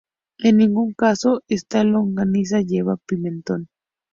En ningún caso esta longaniza lleva pimentón.